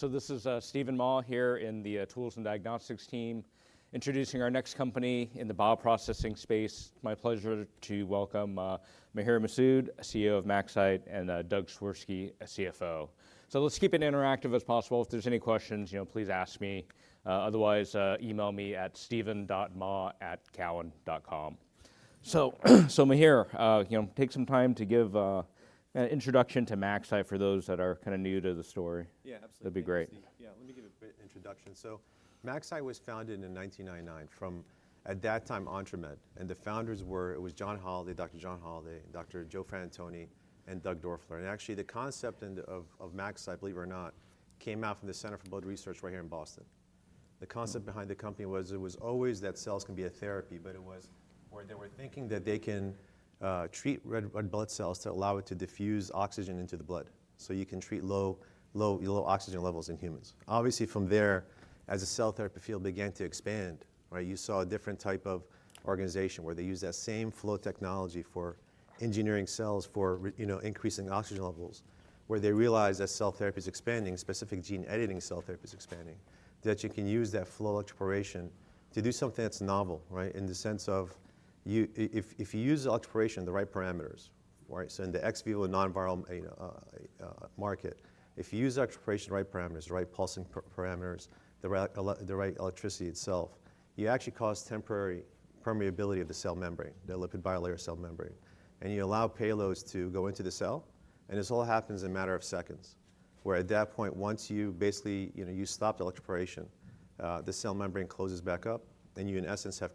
So this is Steven Mah here in the Tools and Diagnostics team, introducing our next company in the bioprocessing space. It's my pleasure to welcome Maher Masoud, CEO of MaxCyte, and Doug Swirsky, CFO. So let's keep it interactive as possible. If there's any questions, please ask me. Otherwise, email me at steven.mah@cowen.com. So Maher, take some time to give an introduction to MaxCyte for those that are kind of new to the story. Yeah, absolutely. That'd be great. Yeah, let me give a bit of introduction. MaxCyte was founded in 1999 from, at that time, EntreMed. The founders were, it was John Holaday, Dr. John Holaday, Dr. Geoffrey Antoni, and Doug Doerfler. Actually, the concept of MaxCyte, believe it or not, came out from the Center for Blood Research right here in Boston. The concept behind the company was it was always that cells can be a therapy, but it was where they were thinking that they can treat red blood cells to allow it to diffuse oxygen into the blood. You can treat low oxygen levels in humans. Obviously, from there, as the cell therapy field began to expand, you saw a different type of organization where they used that same flow technology for engineering cells for increasing oxygen levels, where they realized that cell therapy is expanding, specific gene editing cell therapy is expanding, that you can use that flow electroporation to do something that's novel, in the sense of if you use electroporation, the right parameters. So in the ex vivo non-viral market, if you use electroporation, the right parameters, the right pulsing parameters, the right electricity itself, you actually cause temporary permeability of the cell membrane, the lipid bilayer cell membrane. And you allow payloads to go into the cell, and this all happens in a matter of seconds. Where at that point, once you basically stop electroporation, the cell membrane closes back up, and you, in essence, have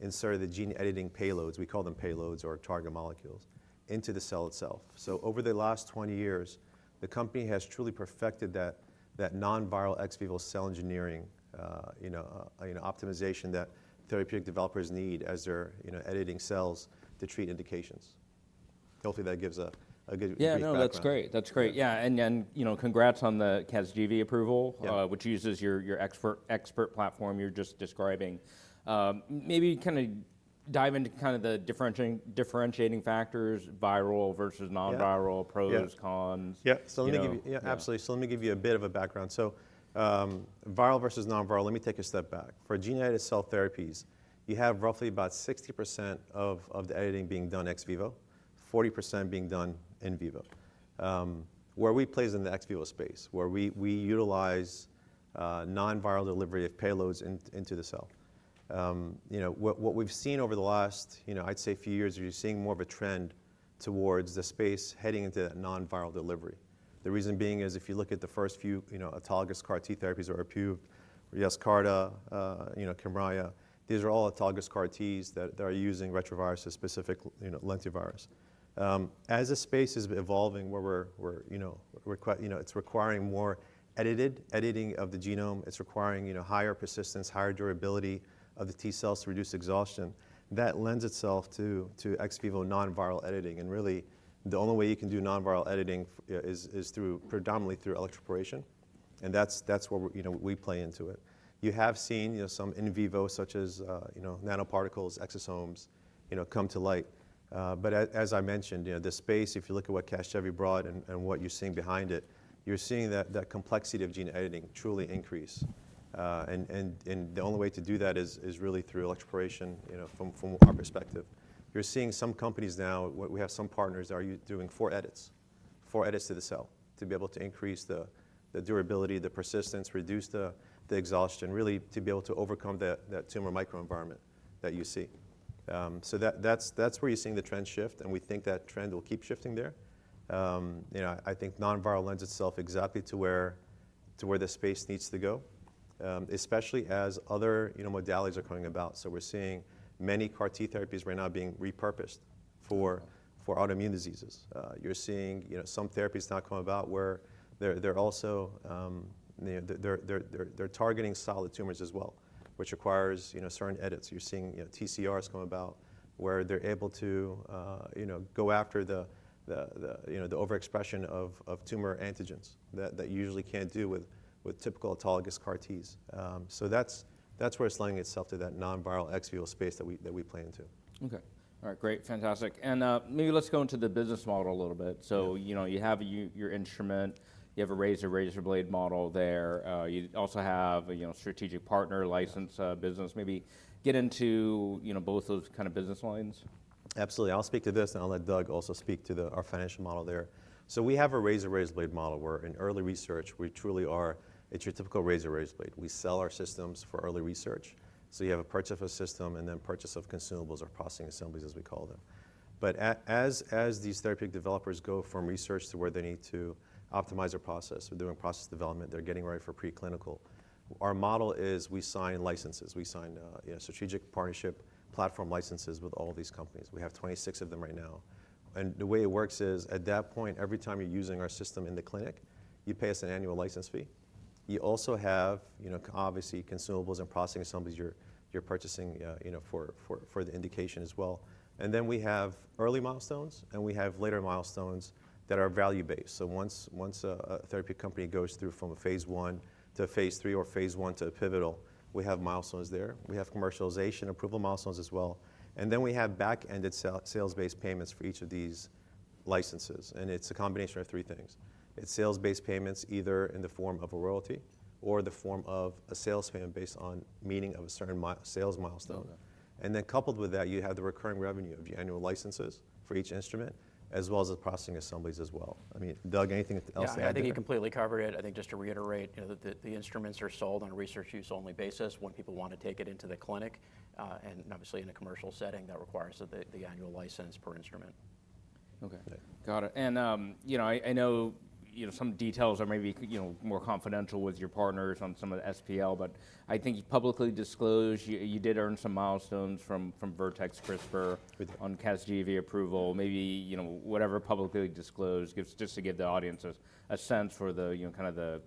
inserted the gene editing payloads, we call them payloads or target molecules, into the cell itself. So over the last 20 years, the company has truly perfected that non-viral ex vivo cell engineering optimization that therapeutic developers need as they're editing cells to treat indications. Hopefully, that gives a good feedback on that. Yeah, no, that's great. That's great. Yeah, and congrats on the Casgevy approval, which uses your ExPERT platform you're just describing. Maybe kind of dive into kind of the differentiating factors, viral versus non-viral, pros, cons. Yeah, so let me give you a bit of a background. So viral versus non-viral, let me take a step back. For gene-edited cell therapies, you have roughly about 60% of the editing being done ex vivo, 40% being done in vivo. Where we place in the ex vivo space, where we utilize non-viral delivery of payloads into the cell. What we've seen over the last, I'd say, few years, you're seeing more of a trend towards the space heading into that non-viral delivery. The reason being is if you look at the first few autologous CAR-T therapies or like, Yescarta, Kymriah, these are all autologous CAR-Ts that are using retroviruses, specific lentivirus. As the space is evolving, where it's requiring more edited editing of the genome, it's requiring higher persistence, higher durability of the T cells to reduce exhaustion, that lends itself to ex vivo non-viral editing. Really, the only way you can do non-viral editing is predominantly through electroporation. That's where we play into it. You have seen some in vivo, such as nanoparticles, exosomes, come to light. But as I mentioned, the space, if you look at what Casgevy brought and what you're seeing behind it, you're seeing that complexity of gene editing truly increase. The only way to do that is really through electroporation, from our perspective. You're seeing some companies now; we have some partners that are doing four edits, four edits to the cell, to be able to increase the durability, the persistence, reduce the exhaustion, really to be able to overcome that tumor microenvironment that you see. So that's where you're seeing the trend shift. We think that trend will keep shifting there. I think non-viral lends itself exactly to where the space needs to go, especially as other modalities are coming about. So we're seeing many CAR-T therapies right now being repurposed for autoimmune diseases. You're seeing some therapies now coming about where they're also targeting solid tumors as well, which requires certain edits. You're seeing TCRs come about, where they're able to go after the overexpression of tumor antigens that you usually can't do with typical autologous CAR-Ts. That's where it's lending itself to that non-viral ex vivo space that we play into. Okay. All right, great. Fantastic. And maybe let's go into the business model a little bit. So you have your instrument. You have a razor, razor blade model there. You also have a strategic partner, licensed business. Maybe get into both those kind of business lines. Absolutely. I'll speak to this, and I'll let Doug also speak to our financial model there. So we have a razor-razor blade model, where in early research, we truly are it's your typical razor-razor blade. We sell our systems for early research. So you have a purchase of a system, and then purchase of consumables or Processing Assemblies, as we call them. But as these therapeutic developers go from research to where they need to optimize their process, they're doing process development, they're getting ready for preclinical, our model is we sign licenses. We sign strategic platform licenses with all of these companies. We have 26 of them right now. And the way it works is, at that point, every time you're using our system in the clinic, you pay us an annual license fee. You also have, obviously, consumables and processing assemblies you're purchasing for the indication as well. And then we have early milestones, and we have later milestones that are value-based. So once a therapeutic company goes through from a phase 1 to a phase 3 or phase 1 to a pivotal, we have milestones there. We have commercialization approval milestones as well. And then we have back-ended sales-based payments for each of these licenses. And it's a combination of three things. It's sales-based payments, either in the form of a royalty or the form of a sales payment based on meeting of a certain sales milestone. And then coupled with that, you have the recurring revenue of your annual licenses for each instrument, as well as the processing assemblies as well. I mean, Doug, anything else to add? Yeah, I think you completely covered it. I think just to reiterate, the instruments are sold on a research-use-only basis. When people want to take it into the clinic, and obviously in a commercial setting, that requires the annual license per instrument. Okay. Got it. I know some details are maybe more confidential with your partners on some of the SPL. But I think you publicly disclosed you did earn some milestones from Vertex, CRISPR on Casgevy approval. Maybe whatever publicly disclosed, just to give the audience a sense for kind of the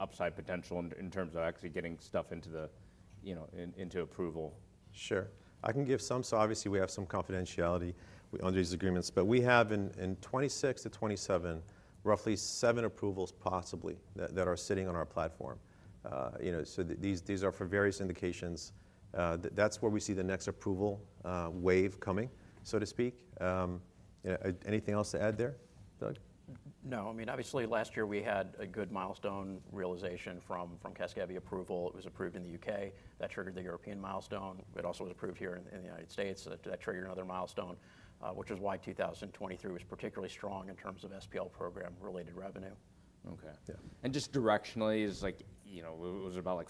upside potential in terms of actually getting stuff into approval. Sure. I can give some. So obviously, we have some confidentiality under these agreements. But we have, in 26-27, roughly 7 approvals possibly that are sitting on our platform. So these are for various indications. That's where we see the next approval wave coming, so to speak. Anything else to add there, Doug? No. I mean, obviously, last year, we had a good milestone realization from Casgevy approval. It was approved in the U.K. That triggered the European milestone. It also was approved here in the United States. That triggered another milestone, which is why 2023 was particularly strong in terms of SPL program-related revenue. Okay. Just directionally, it was about like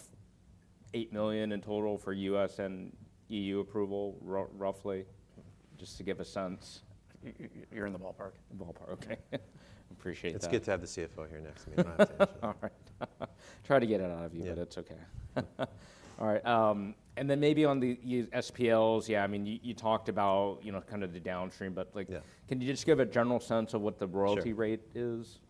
$8 million in total for U.S. and EU approval, roughly, just to give a sense. You're in the ballpark. Ballpark. Okay. Appreciate that. It's good to have the CFO here next to me. I don't have to answer that. All right. Try to get it out of you, but it's Okay. All right. And then maybe on the SPLs, yeah, I mean, you talked about kind of the downstream. But can you just give a general sense of what the royalty rate is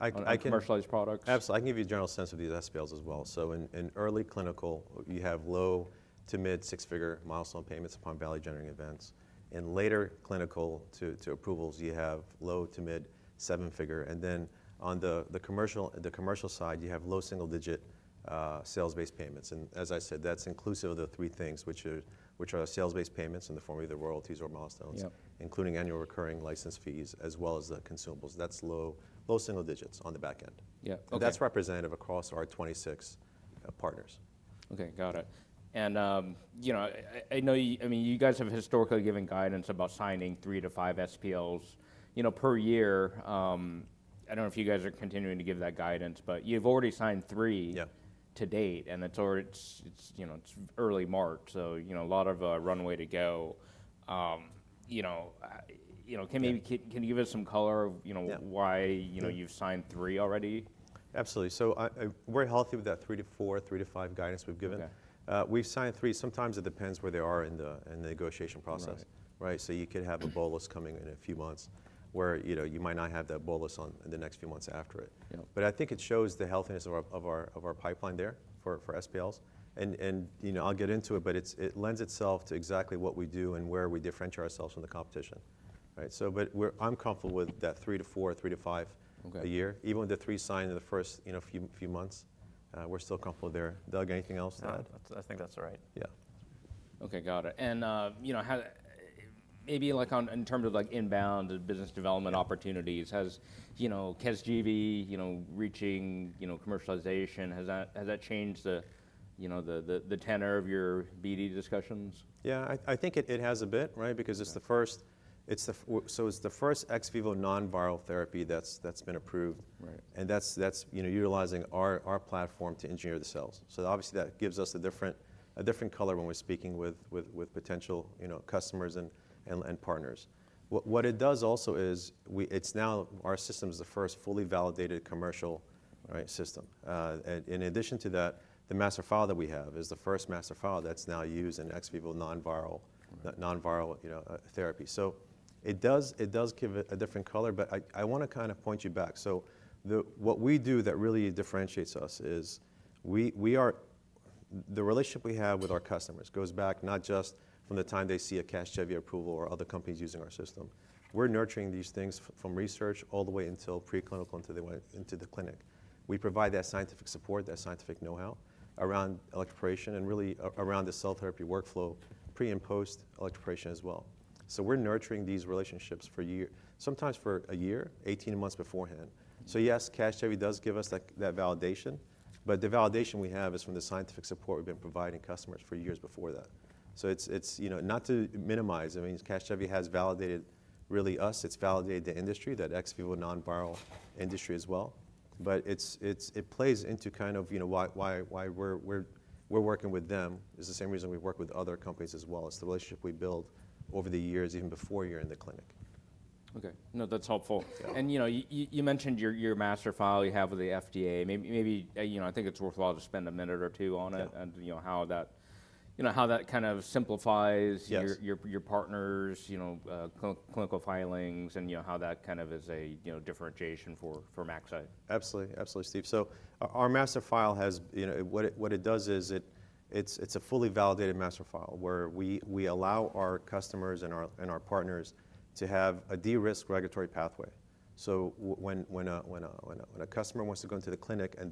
on commercialized products? Absolutely. I can give you a general sense of these SPLs as well. So in early clinical, you have low- to mid-six-figure milestone payments upon value-generating events. In later clinical to approvals, you have low- to mid-seven-figure. And then on the commercial side, you have low single-digit sales-based payments. And as I said, that's inclusive of the three things, which are the sales-based payments in the form of either royalties or milestones, including annual recurring license fees, as well as the consumables. That's low single digits on the back end. And that's representative across our 26 partners. Okay, got it. And I know you guys have historically given guidance about signing 3-5 SPLs per year. I don't know if you guys are continuing to give that guidance. But you've already signed 3 to date. And it's early March. So a lot of runway to go. Can you give us some color of why you've signed 3 already? Absolutely. So we're healthy with that 3-4, 3-5 guidance we've given. We've signed 3. Sometimes it depends where they are in the negotiation process. So you could have a bolus coming in a few months, where you might not have that bolus in the next few months after it. But I think it shows the healthiness of our pipeline there for SPLs. And I'll get into it. But it lends itself to exactly what we do and where we differentiate ourselves from the competition. But I'm comfortable with that 3-4, 3-5 a year, even with the 3 signed in the first few months. We're still comfortable there. Doug, anything else to add? I think that's all right. Yeah. Okay, got it. And maybe in terms of inbound business development opportunities, has Casgevy reaching commercialization, has that changed the tenor of your BD discussions? Yeah, I think it has a bit, because it's the first ex vivo non-viral therapy that's been approved. And that's utilizing our platform to engineer the cells. So obviously, that gives us a different color when we're speaking with potential customers and partners. What it does also is, now our system is the first fully validated commercial system. In addition to that, the Master File that we have is the first Master File that's now used in ex vivo non-viral therapy. So it does give a different color. But I want to kind of point you back. So what we do that really differentiates us is, the relationship we have with our customers goes back not just from the time they see a Casgevy approval or other companies using our system. We're nurturing these things from research all the way until preclinical, until they went into the clinic. We provide that scientific support, that scientific know-how around electroporation, and really around the cell therapy workflow pre and post electroporation as well. So we're nurturing these relationships for sometimes for a year, 18 months beforehand. So yes, Casgevy does give us that validation. But the validation we have is from the scientific support we've been providing customers for years before that. So it's not to minimize. I mean, Casgevy has validated really us. It's validated the industry, that ex vivo non-viral industry as well. But it plays into kind of why we're working with them is the same reason we work with other companies as well. It's the relationship we build over the years, even before you're in the clinic. Okay. No, that's helpful. You mentioned your Master File you have with the FDA. Maybe I think it's worthwhile to spend a minute or two on it and how that kind of simplifies your partners' clinical filings and how that kind of is a differentiation for MaxCyte. Absolutely. Absolutely, Steve. So our Master File, what it does is, it's a fully validated Master File, where we allow our customers and our partners to have a de-risk regulatory pathway. So when a customer wants to go into the clinic, and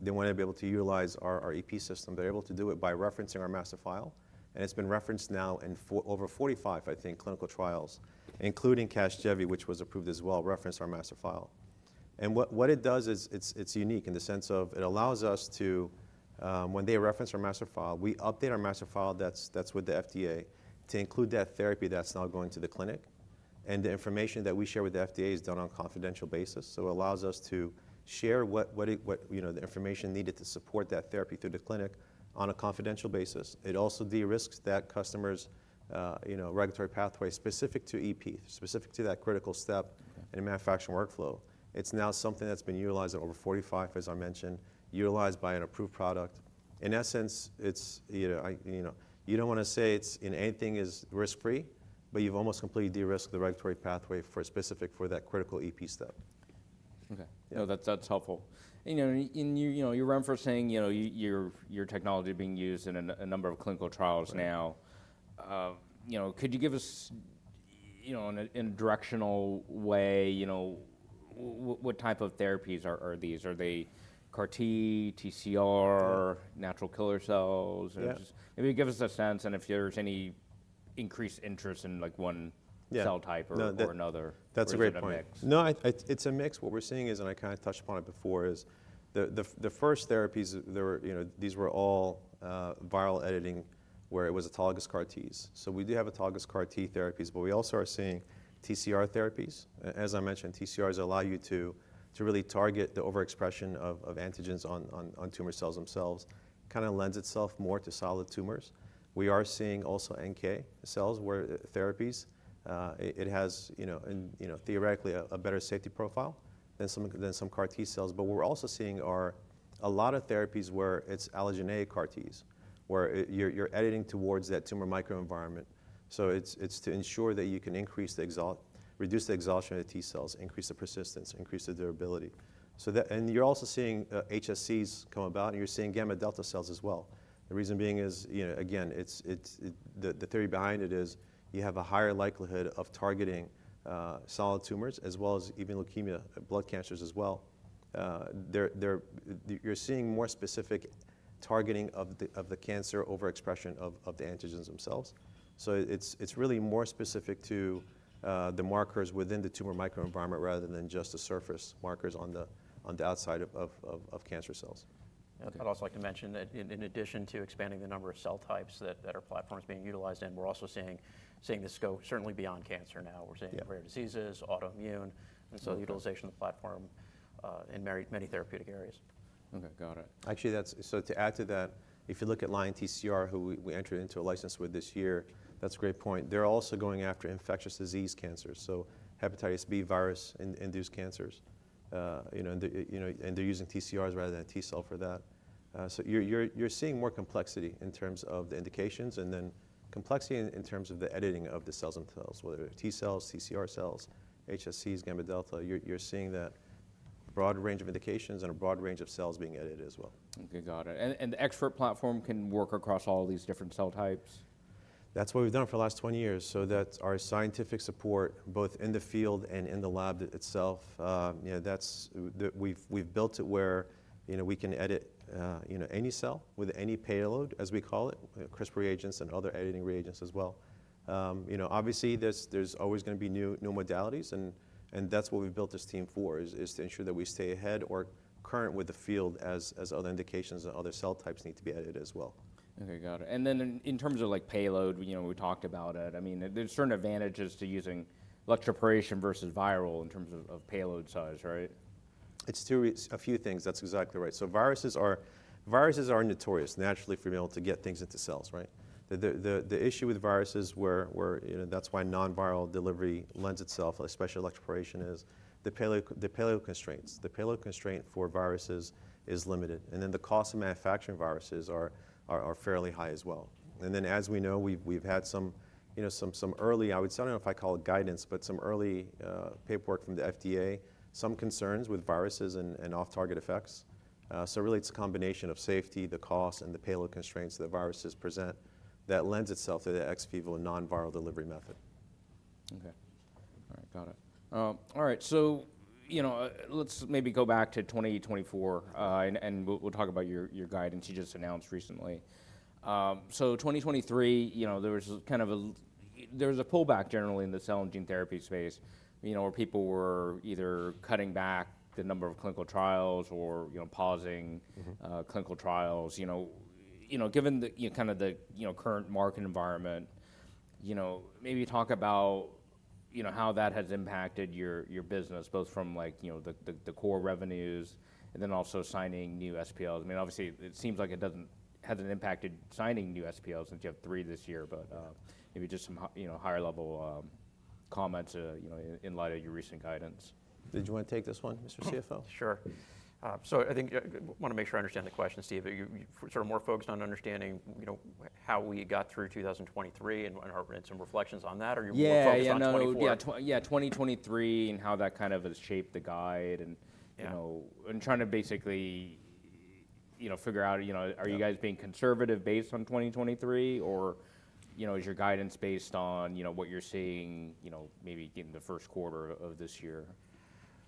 they want to be able to utilize our EP system, they're able to do it by referencing our Master File. And it's been referenced now in over 45, I think, clinical trials, including Casgevy, which was approved as well, referenced our Master File. And what it does is, it's unique in the sense of, it allows us to, when they reference our Master File, we update our Master File that's with the FDA to include that therapy that's now going to the clinic. And the information that we share with the FDA is done on a confidential basis. So it allows us to share the information needed to support that therapy through the clinic on a confidential basis. It also de-risks that customer's regulatory pathway specific to EP, specific to that critical step in a manufacturing workflow. It's now something that's been utilized in over 45, as I mentioned, utilized by an approved product. In essence, you don't want to say anything is risk-free. But you've almost completely de-risked the regulatory pathway specific for that critical EP step. Okay. No, that's helpful. And you remember saying your technology being used in a number of clinical trials now. Could you give us, in a directional way, what type of therapies are these? Are they CAR-T, TCR, Natural Killer cells? Maybe give us a sense. And if there's any increased interest in one cell type or another. That's a great point. No, it's a mix. What we're seeing is, and I kind of touched upon it before, is the first therapies these were all viral editing, where it was autologous CAR-Ts. So we do have autologous CAR-T therapies. But we also are seeing TCR therapies. As I mentioned, TCRs allow you to really target the overexpression of antigens on tumor cells themselves. It kind of lends itself more to solid tumors. We are seeing also NK cells, where therapies it has, theoretically, a better safety profile than some CAR-T cells. But we're also seeing a lot of therapies where it's allogeneic CAR-Ts, where you're editing towards that tumor microenvironment. So it's to ensure that you can reduce the exhaustion of the T cells, increase the persistence, increase the durability. And you're also seeing HSCs come about. And you're seeing gamma delta cells as well. The reason being is, again, the theory behind it is, you have a higher likelihood of targeting solid tumors, as well as even leukemia, blood cancers as well. You're seeing more specific targeting of the cancer overexpression of the antigens themselves. So it's really more specific to the markers within the tumor microenvironment rather than just the surface markers on the outside of cancer cells. I'd also like to mention that, in addition to expanding the number of cell types that our platform is being utilized in, we're also seeing the scope certainly beyond cancer now. We're seeing rare diseases, autoimmune, and so utilization of the platform in many therapeutic areas. Okay, got it. Actually, so to add to that, if you look at Lion TCR, who we entered into a license with this year, that's a great point. They're also going after infectious disease cancers, so hepatitis B virus-induced cancers. And they're using TCRs rather than T cells for that. So you're seeing more complexity in terms of the indications and then complexity in terms of the editing of the cells themselves, whether they're T cells, TCR cells, HSCs, gamma delta. You're seeing that broad range of indications and a broad range of cells being edited as well. Okay, got it. And the ExPERT platform can work across all of these different cell types? That's what we've done for the last 20 years. So our scientific support, both in the field and in the lab itself, we've built it where we can edit any cell with any payload, as we call it, CRISPR reagents and other editing reagents as well. Obviously, there's always going to be new modalities. And that's what we've built this team for, is to ensure that we stay ahead or current with the field as other indications and other cell types need to be edited as well. Okay, got it. And then in terms of payload, we talked about it. I mean, there's certain advantages to using electroporation versus viral in terms of payload size, right? It's a few things. That's exactly right. So viruses are notorious naturally for being able to get things into cells. The issue with viruses where that's why non-viral delivery lends itself, especially electroporation, is the payload constraints. The payload constraint for viruses is limited. And then the cost of manufacturing viruses are fairly high as well. And then, as we know, we've had some early I don't know if I call it guidance, but some early paperwork from the FDA, some concerns with viruses and off-target effects. So really, it's a combination of safety, the cost, and the payload constraints that viruses present that lends itself to the ex vivo non-viral delivery method. Okay. All right, got it. All right. So let's maybe go back to 2024. And we'll talk about your guidance you just announced recently. So 2023, there was kind of a pullback generally in the cell and gene therapy space, where people were either cutting back the number of clinical trials or pausing clinical trials. Given kind of the current market environment, maybe talk about how that has impacted your business, both from the core revenues and then also signing new SPLs. I mean, obviously, it seems like it hasn't impacted signing new SPLs since you have 3 this year. But maybe just some higher-level comments in light of your recent guidance. Did you want to take this one, Mr. CFO? Sure. So I think I want to make sure I understand the question, Steve. Sort of more focused on understanding how we got through 2023 and some reflections on that? Or are you more focused on 2024? Yeah, 2023 and how that kind of has shaped the guide. And trying to basically figure out, are you guys being conservative based on 2023? Or is your guidance based on what you're seeing maybe in the first quarter of this year?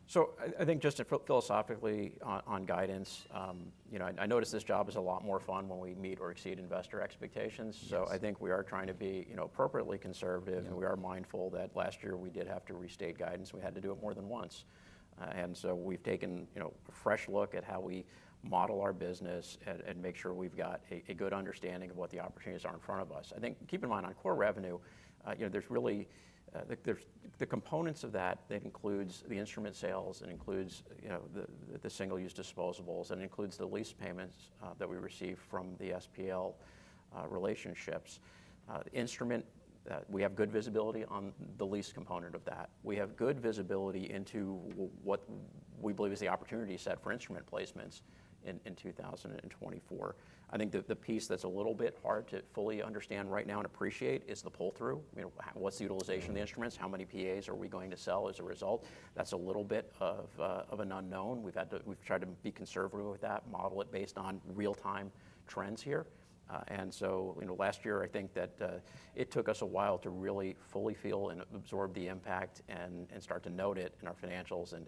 So I think just philosophically on guidance, I notice this job is a lot more fun when we meet or exceed investor expectations. So I think we are trying to be appropriately conservative. And we are mindful that last year, we did have to restate guidance. We had to do it more than once. And so we've taken a fresh look at how we model our business and make sure we've got a good understanding of what the opportunities are in front of us. I think keep in mind, on core revenue, there's really the components of that. That includes the instrument sales. It includes the single-use disposables. And it includes the lease payments that we receive from the SPL relationships. Instrument, we have good visibility on the lease component of that. We have good visibility into what we believe is the opportunity set for instrument placements in 2024. I think the piece that's a little bit hard to fully understand right now and appreciate is the pull through. What's the utilization of the instruments? How many PAs are we going to sell as a result? That's a little bit of an unknown. We've tried to be conservative with that, model it based on real-time trends here. And so last year, I think that it took us a while to really fully feel and absorb the impact and start to note it in our financials and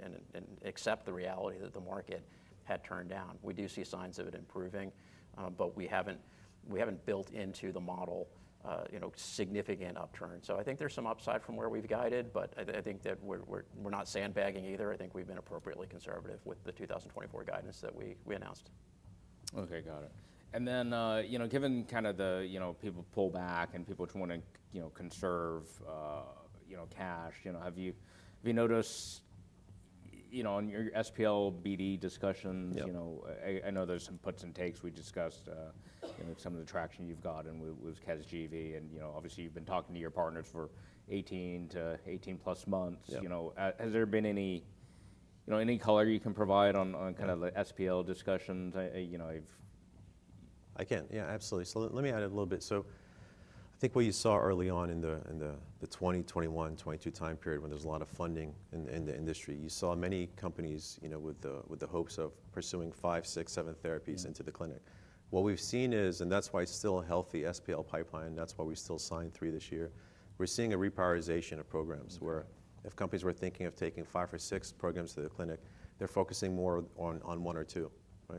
accept the reality that the market had turned down. We do see signs of it improving. But we haven't built into the model significant upturn. So I think there's some upside from where we've guided. But I think that we're not sandbagging either. I think we've been appropriately conservative with the 2024 guidance that we announced. Okay, got it. And then given kind of the people pull back and people just want to conserve cash, have you noticed on your SPL BD discussions? I know there's some puts and takes. We discussed some of the traction you've got. And it was Casgevy. And obviously, you've been talking to your partners for 18 to 18+ months. Has there been any color you can provide on kind of the SPL discussions? I can. Yeah, absolutely. So let me add a little bit. So I think what you saw early on in the 2021-2022 time period, when there's a lot of funding in the industry, you saw many companies with the hopes of pursuing 5, 6, 7 therapies into the clinic. What we've seen is, and that's why it's still a healthy SPL pipeline, that's why we still signed 3 this year, we're seeing a reprioritization of programs, where if companies were thinking of taking 5 or 6 programs to the clinic, they're focusing more on 1 or 2.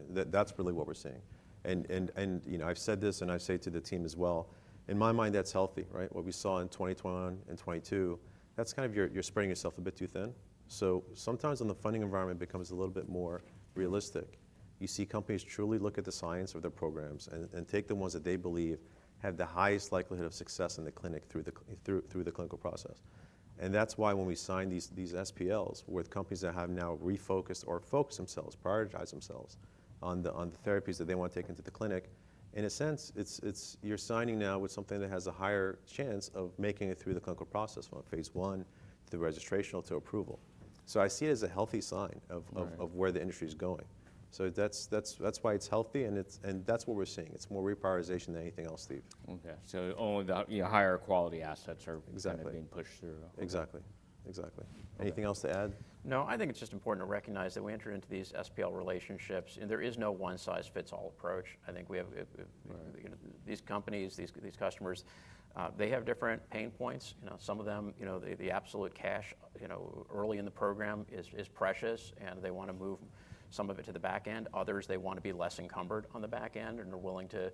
That's really what we're seeing. And I've said this. And I say to the team as well, in my mind, that's healthy. What we saw in 2021 and 2022, that's kind of you're spreading yourself a bit too thin. So sometimes, when the funding environment becomes a little bit more realistic, you see companies truly look at the science of their programs and take the ones that they believe have the highest likelihood of success in the clinic through the clinical process. And that's why when we sign these SPLs with companies that have now refocused or focused themselves, prioritized themselves on the therapies that they want to take into the clinic, in a sense, you're signing now with something that has a higher chance of making it through the clinical process from phase one through registrational to approval. So I see it as a healthy sign of where the industry is going. So that's why it's healthy. And that's what we're seeing. It's more reprioritization than anything else, Steve. Okay. So only the higher quality assets are kind of being pushed through. Exactly. Exactly. Anything else to add? No, I think it's just important to recognize that we entered into these SPL relationships. And there is no one-size-fits-all approach. I think these companies, these customers, they have different pain points. Some of them, the absolute cash early in the program is precious. And they want to move some of it to the back end. Others, they want to be less encumbered on the back end and are willing to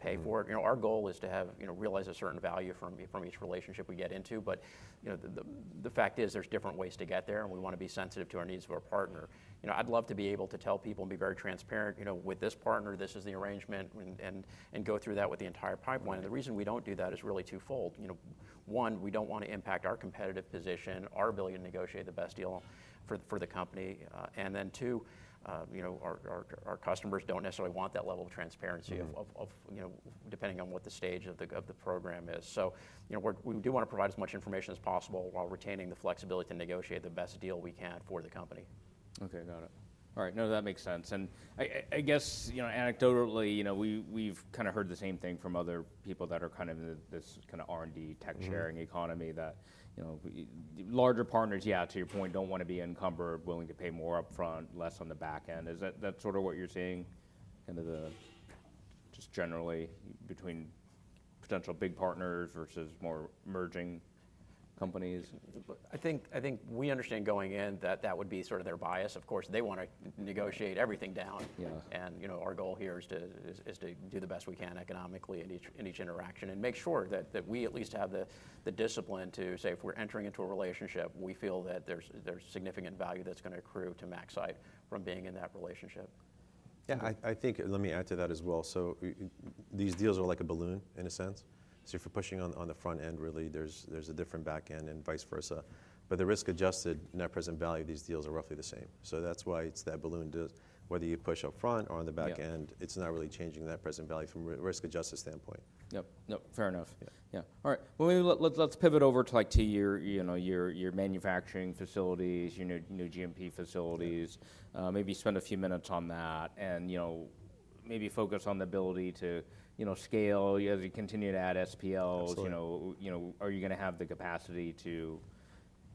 pay for it. Our goal is to realize a certain value from each relationship we get into. But the fact is, there's different ways to get there. And we want to be sensitive to our needs of our partner. I'd love to be able to tell people and be very transparent, with this partner, this is the arrangement, and go through that with the entire pipeline. And the reason we don't do that is really twofold. One, we don't want to impact our competitive position, our ability to negotiate the best deal for the company. And then two, our customers don't necessarily want that level of transparency, depending on what the stage of the program is. So we do want to provide as much information as possible while retaining the flexibility to negotiate the best deal we can for the company. Okay, got it. All right. No, that makes sense. And I guess, anecdotally, we've kind of heard the same thing from other people that are kind of in this kind of R&D tech-sharing economy, that larger partners, yeah, to your point, don't want to be encumbered, willing to pay more upfront, less on the back end. Is that sort of what you're seeing kind of just generally between potential big partners versus more merging companies? I think we understand going in that that would be sort of their bias. Of course, they want to negotiate everything down. And our goal here is to do the best we can economically in each interaction and make sure that we at least have the discipline to say, if we're entering into a relationship, we feel that there's significant value that's going to accrue to MaxCyte from being in that relationship. Yeah, I think, let me add to that as well. So these deals are like a balloon, in a sense. So if you're pushing on the front end, really, there's a different back end and vice versa. But the risk-adjusted net present value of these deals are roughly the same. So that's why it's that balloon. Whether you push upfront or on the back end, it's not really changing net present value from a risk-adjusted standpoint. Yep. No, fair enough. Yeah. All right. Well, maybe let's pivot over to your manufacturing facilities, new GMP facilities. Maybe spend a few minutes on that and maybe focus on the ability to scale. As you continue to add SPLs, are you going to have the capacity to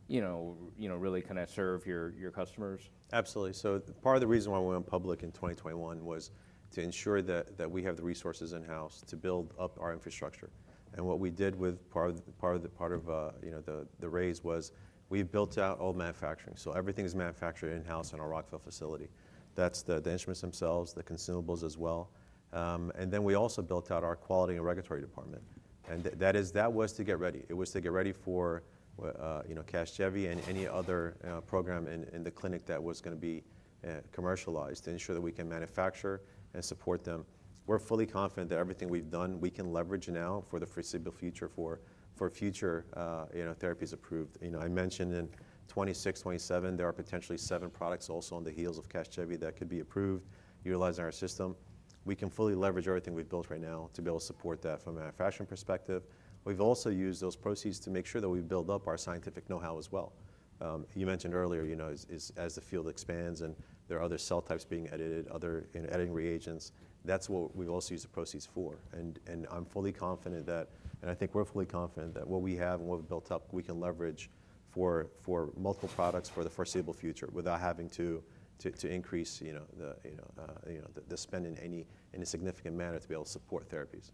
really kind of serve your customers? Absolutely. So part of the reason why we went public in 2021 was to ensure that we have the resources in-house to build up our infrastructure. What we did with part of the raise was we built out all manufacturing. So everything is manufactured in-house in our Rockville facility. That's the instruments themselves, the consumables as well. Then we also built out our quality and regulatory department. That was to get ready. It was to get ready for Casgevy and any other program in the clinic that was going to be commercialized to ensure that we can manufacture and support them. We're fully confident that everything we've done, we can leverage now for the foreseeable future for future therapies approved. I mentioned in 2026, 2027, there are potentially seven products also on the heels of Casgevy that could be approved utilizing our system. We can fully leverage everything we've built right now to be able to support that from a manufacturing perspective. We've also used those proceeds to make sure that we've built up our scientific know-how as well. You mentioned earlier, as the field expands and there are other cell types being edited, other editing reagents, that's what we've also used the proceeds for. And I'm fully confident that and I think we're fully confident that what we have and what we've built up, we can leverage for multiple products for the foreseeable future without having to increase the spend in any significant manner to be able to support therapies.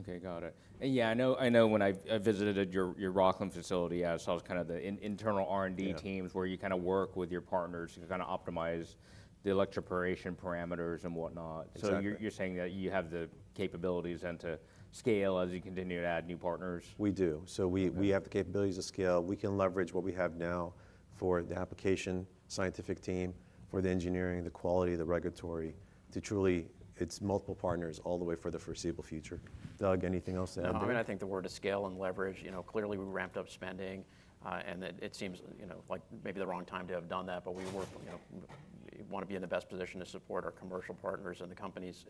Okay, got it. And yeah, I know when I visited your Rockville facility, I saw kind of the internal R&D teams where you kind of work with your partners to kind of optimize the electroporation parameters and whatnot. So you're saying that you have the capabilities then to scale as you continue to add new partners? We do. So we have the capabilities to scale. We can leverage what we have now for the application scientific team, for the engineering, the quality, the regulatory to truly it's multiple partners all the way for the foreseeable future. Doug, anything else to add? I mean, I think the word to scale and leverage. Clearly, we ramped up spending. It seems like maybe the wrong time to have done that. But we want to be in the best position to support our commercial partners and the companies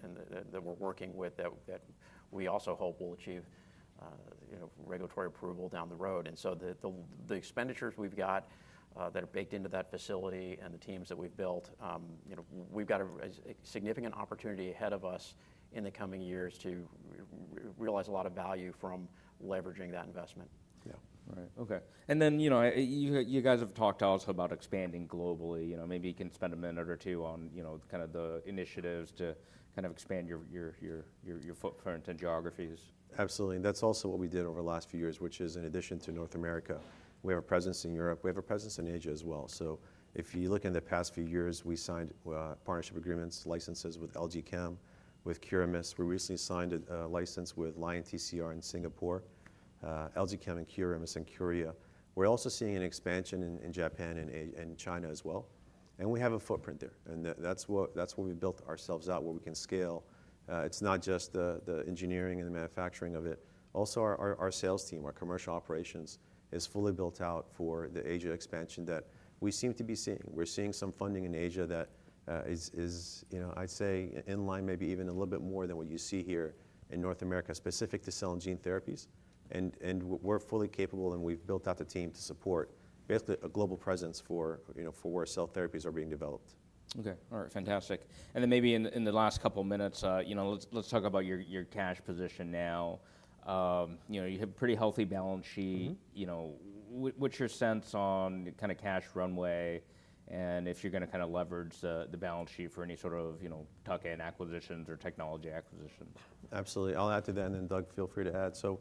that we're working with that we also hope will achieve regulatory approval down the road. So the expenditures we've got that are baked into that facility and the teams that we've built, we've got a significant opportunity ahead of us in the coming years to realize a lot of value from leveraging that investment. Yeah. All right. Okay. And then you guys have talked also about expanding globally. Maybe you can spend a minute or two on kind of the initiatives to kind of expand your footprint and geographies. Absolutely. And that's also what we did over the last few years, which is in addition to North America, we have a presence in Europe. We have a presence in Asia as well. So if you look in the past few years, we signed partnership agreements, licenses with LG Chem, with Curigin. We recently signed a license with Lion TCR in Singapore, LG Chem and Curigin in Korea. We're also seeing an expansion in Japan and China as well. And we have a footprint there. And that's what we built ourselves out, where we can scale. It's not just the engineering and the manufacturing of it. Also, our sales team, our commercial operations, is fully built out for the Asia expansion that we seem to be seeing. We're seeing some funding in Asia that is, I'd say, in line maybe even a little bit more than what you see here in North America, specific to cell and gene therapies. We're fully capable. We've built out the team to support basically a global presence for where cell therapies are being developed. Okay. All right. Fantastic. And then maybe in the last couple of minutes, let's talk about your cash position now. You have a pretty healthy balance sheet. What's your sense on kind of cash runway and if you're going to kind of leverage the balance sheet for any sort of tuck-in acquisitions or technology acquisitions? Absolutely. I'll add to that. And then Doug, feel free to add. So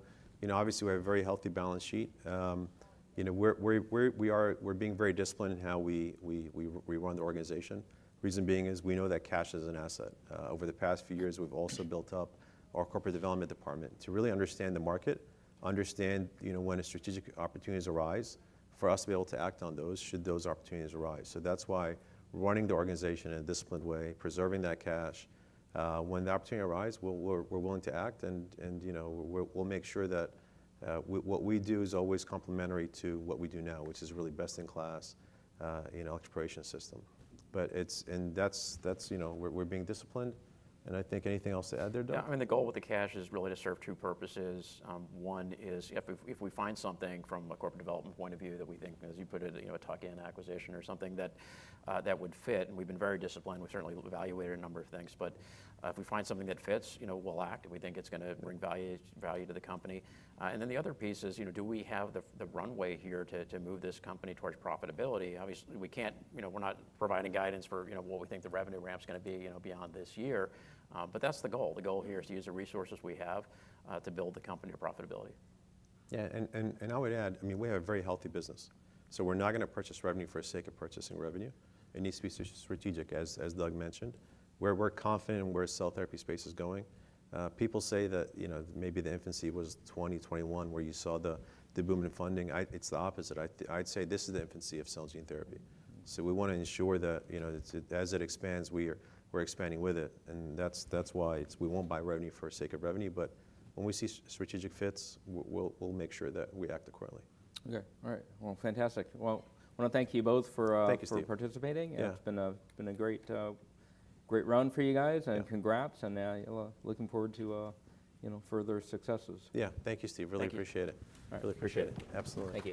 obviously, we have a very healthy balance sheet. We're being very disciplined in how we run the organization. Reason being is we know that cash is an asset. Over the past few years, we've also built up our corporate development department to really understand the market, understand when a strategic opportunity arise, for us to be able to act on those should those opportunities arise. So that's why running the organization in a disciplined way, preserving that cash, when the opportunity arises, we're willing to act. And we'll make sure that what we do is always complementary to what we do now, which is really best in class electroporation system. And we're being disciplined. And I think anything else to add there, Doug? Yeah. I mean, the goal with the cash is really to serve two purposes. One is if we find something from a corporate development point of view that we think, as you put it, a tuck-in acquisition or something that would fit, and we've been very disciplined. We've certainly evaluated a number of things. But if we find something that fits, we'll act. And we think it's going to bring value to the company. And then the other piece is, do we have the runway here to move this company towards profitability? Obviously, we can't. We're not providing guidance for what we think the revenue ramp's going to be beyond this year. But that's the goal. The goal here is to use the resources we have to build the company to profitability. Yeah. And I would add, I mean, we have a very healthy business. So we're not going to purchase revenue for the sake of purchasing revenue. It needs to be strategic, as Doug mentioned, where we're confident in where cell therapy space is going. People say that maybe the infancy was 2021, where you saw the boom in funding. It's the opposite. I'd say this is the infancy of cell and gene therapy. So we want to ensure that as it expands, we're expanding with it. And that's why we won't buy revenue for the sake of revenue. But when we see strategic fits, we'll make sure that we act accordingly. Okay. All right. Well, fantastic. Well, I want to thank you both for participating. Thank you, Steve. It's been a great run for you guys. Congrats. Looking forward to further successes. Yeah. Thank you, Steve. Really appreciate it. Really appreciate it. Absolutely.